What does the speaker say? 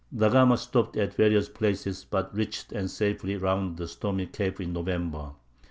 Da Gama stopped at various places, but reached and safely rounded the stormy cape in November.